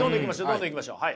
どんどんいきましょう。